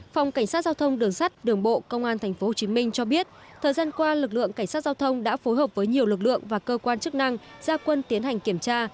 phòng cảnh sát giao thông đường sắt đường bộ công an tp hcm cho biết thời gian qua lực lượng cảnh sát giao thông đã phối hợp với nhiều lực lượng và cơ quan chức năng gia quân tiến hành kiểm tra